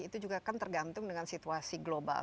itu juga kan tergantung dengan situasi global